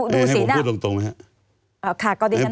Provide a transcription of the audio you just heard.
ให้ผมพูดตรงไหมครับ